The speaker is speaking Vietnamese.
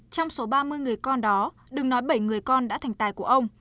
trong số ba mươi người con đó đừng nói bảy người con đã thành tài của ông